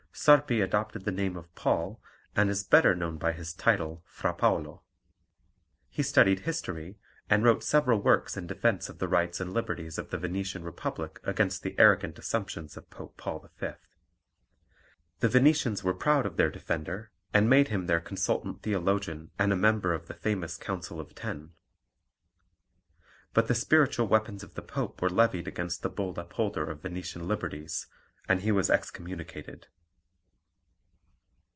Sarpi adopted the name of Paul, and is better known by his title Fra Paolo. He studied history, and wrote several works in defence of the rights and liberties of the Venetian Republic against the arrogant assumptions of Pope Paul V. The Venetians were proud of their defender, and made him their consultant theologian and a member of the famous Council of Ten. But the spiritual weapons of the Pope were levied against the bold upholder of Venetian liberties, and he was excommunicated.